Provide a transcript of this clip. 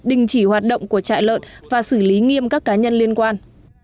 đình chỉ hoạt động của trại lợn và xử lý nghiêm các cá nhân liên quan